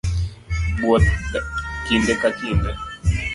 buoth ga kinde ka kinde.